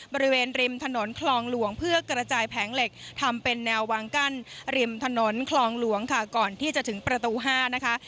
บริเวณริมถนนคลองหลวงเพื่อกระจายแผงเหล็กทำเป็นแนววางกั้นริมถนนคลองหลวงค่ะก่อนที่จะถึงประตู๕นะคะ